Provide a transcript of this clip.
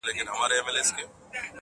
داسې د وجود د راپیژندلو هڅه کوي